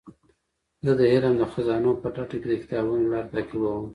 زه د علم د خزانو په لټه کې د کتابونو لار تعقیبوم.